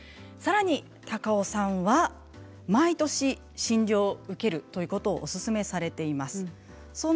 さらに高尾さんは、毎年診療を受けるということをおすすめされています。